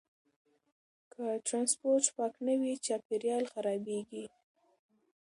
که ټرانسپورټ پاک نه وي، چاپیریال خرابېږي.